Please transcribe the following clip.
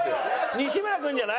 西村君じゃない？